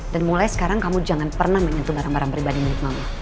dan mulai sekarang kamu jangan pernah menyentuh barang barang pribadi milik mama